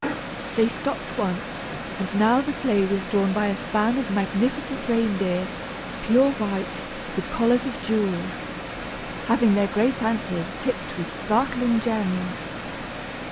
They stopped once, and now the sleigh was drawn by a span of magnificent reindeer, pure white, with collars of jewels, having their great antlers tipped with sparkling gems.